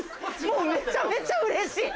もうめちゃめちゃうれしい！